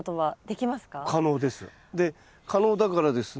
可能です。